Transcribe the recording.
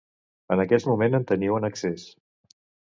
En aquest moment en teniu en excés.